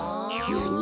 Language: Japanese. なに？